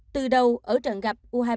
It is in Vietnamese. từ đầu ở trận gặp u hai mươi ba